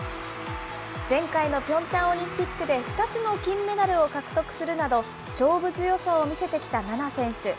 前回のピョンチャンオリンピックで２つの金メダルを獲得するなど、勝負強さを見せてきた菜那選手。